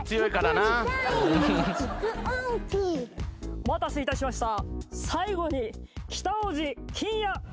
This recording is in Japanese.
お待たせいたしました。